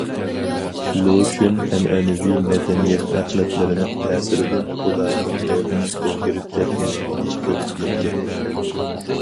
لۇشۈن ئەنئەنىۋى مەدەنىيەت ئەخلەتلىرىنىڭ تەسىرىدىن ئۇلارنىڭ روھىنىڭ ئۆزگىرىپ كەتكەنلىكىنى كۆرۈپ يەتكەن.